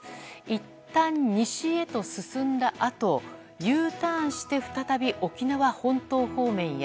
いったん、西へと進んだあとＵターンして再び沖縄本島方面へ。